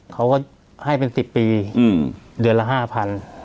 เขาก็ให้เป็น๑๐ปีเดือนละ๕๐๐บาท